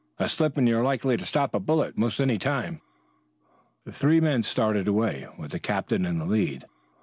A slip and you're likely to stop a bullet 'most any time." The three men started away, with the captain in the lead.